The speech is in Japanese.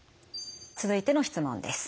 続いての質問です。